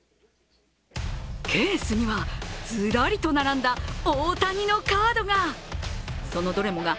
ケースには、ずらりと並んだ大谷のカードが。